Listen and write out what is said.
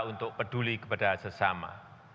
untuk peduli kepada sesama